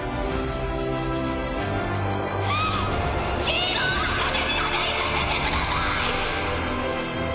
ヒーローアカデミアでいさせてください！